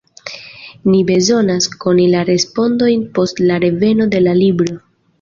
Ni bezonas koni la respondojn post la reveno de la libro.